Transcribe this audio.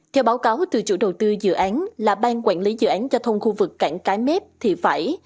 theo báo cáo từ chủ đầu tư dự án là ban quản lý dự án giao thông khu vực cảng cái mép thị phải